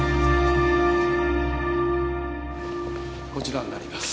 こちらになります。